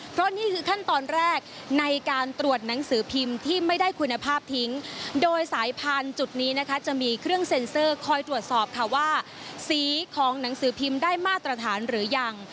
เพราะนี่คือขั้นตอนแรกในการตรวจหนังสือพิมพ์ที่ไม่ได้คุณภาพทิ้งโดยสายพันธุ์จุดนี้นะคะจะมีเครื่องเซ็นเซอร์คอยตรวจสอบค่ะว่าสีของหนังสือพิมพ์ได้มาตรฐานหรือยัง